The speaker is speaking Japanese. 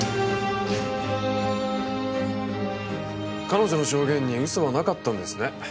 彼女の証言に嘘はなかったんですね。